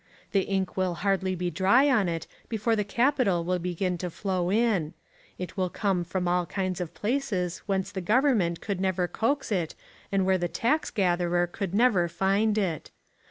The ink will hardly be dry on it before the capital will begin to flow in: it will come from all kinds of places whence the government could never coax it and where the tax gatherer could never find it.